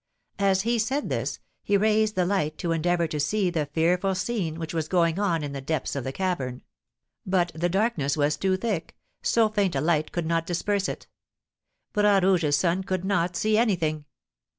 As he said this, he raised the light to endeavour to see the fearful scene which was going on in the depths of the cavern; but the darkness was too thick, so faint a light could not disperse it: Bras Rouge's son could not see anything.